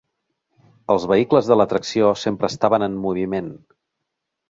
Els vehicles de l'atracció sempre estaven en moviment.